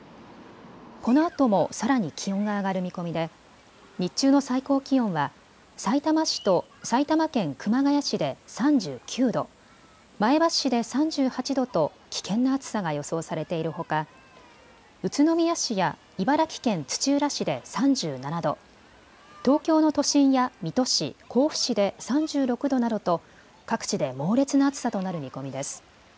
このあともさらに気温が上がる見込みで日中の最高気温はさいたま市と埼玉県熊谷市で３９度、前橋市で３８度と危険な暑さが予想されているほか宇都宮市や茨城県土浦市で３７度、東京の都心や水戸市、甲府市で３６度などと各地で猛烈な暑さとなる見込みです。